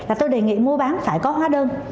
và tôi đề nghị mua bán phải có hóa đơn